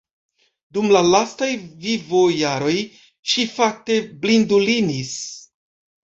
Dum la lastaj vivojaroj ŝi fakte blindulinis.